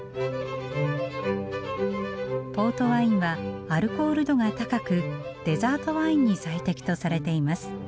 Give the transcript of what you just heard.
ポートワインはアルコール度が高くデザートワインに最適とされています。